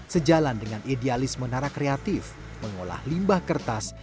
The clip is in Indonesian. sejalan dengan idealisme narak kreatif mengolah limbah kertas